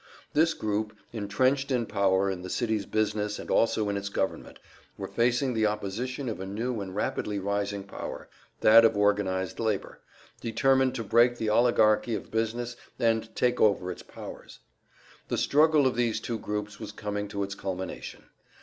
This group, intrenched in power in the city's business and also in its government, were facing the opposition of a new and rapidly rising power, that of organized labor, determined to break the oligarchy of business and take over its powers. The struggle of these two groups was coming to its culmination.